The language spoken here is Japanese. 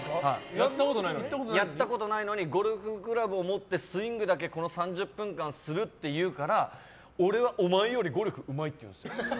やったことないのにゴルフクラブを持ってスイングだけこの３０分だけするっていうから俺はお前よりゴルフうまいって言うんですよ。